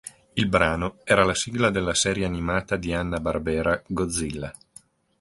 Il brano era la sigla della serie animata di Hanna-Barbera "Godzilla".